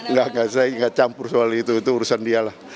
nggak saya nggak campur soal itu itu urusan dia lah